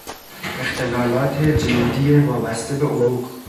اختلالات جلدی وابسته به عروق